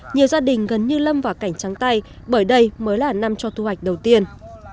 nhiều gia đình gần như lâm vào cảnh trắng tay bởi đây mới là năm cho thu hoạch đầu tiên